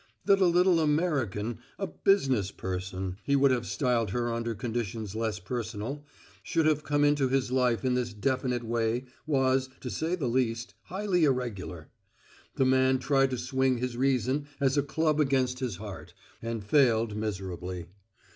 That a little American inconnu a "business person," he would have styled her under conditions less personal should have come into his life in this definite way was, to say the least, highly irregular. The man tried to swing his reason as a club against his heart and failed miserably.